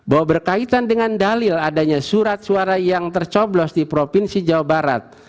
bahwa berkaitan dengan dalil adanya surat suara yang tercoblos di provinsi jawa barat